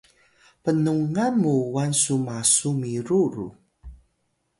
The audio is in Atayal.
pnungan mu wan su masu miru ru